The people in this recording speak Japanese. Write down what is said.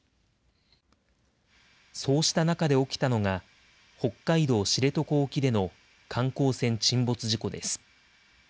そうした中で起きたのが、北海道知床沖での観光船沈没事故です。